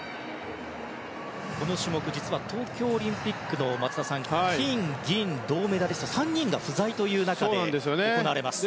この種目、実は東京オリンピックの金、銀、銅メダリストの３人が不在という中で行われます。